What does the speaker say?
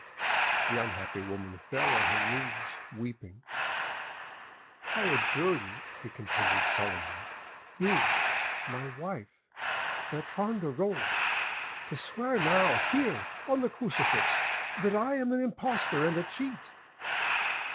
The unhappy woman fell on her knees, weeping. "I adjure you," he continued solemnly, "you, my wife, Bertrande de Rolls, to swear now, here, on the crucifix, that I am an impostor and a cheat."